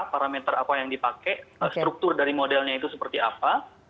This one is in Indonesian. parameter apa yang dipakai struktur dari modelnya itu seperti apa